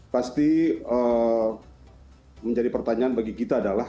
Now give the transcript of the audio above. pasti menjadi pertanyaan bagi kita adalah